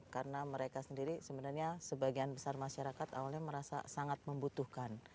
karena mereka sendiri sebenarnya sebagian besar masyarakat awalnya merasa sangat membutuhkan